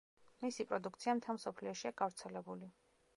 მისი პროდუქცია მთელ მსოფლიოშია გავრცელებული.